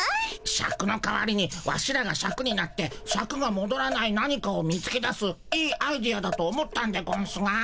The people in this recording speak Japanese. シャクの代わりにワシらがシャクになってシャクがもどらない何かを見つけ出すいいアイデアだと思ったんでゴンスが。